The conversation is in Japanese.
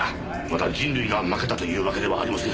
まだ人類が負けたというわけではありません。